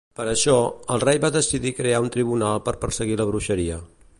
Per això, el rei va decidir crear un tribunal per perseguir la bruixeria.